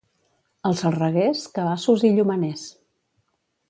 Als Reguers, cabassos i llumeners.